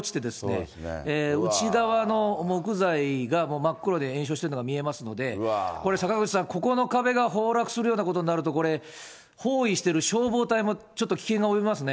そこは外壁がもう剥がれ落ちて、内側の木材が真っ黒で延焼しているのが見えますので、これ、坂口さん、ここの壁が崩落するようなことになると、これ、包囲している消防隊もちょっと危険が及びますね。